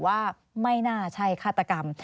ว่าไม่น่าใช่ฆาตกรรม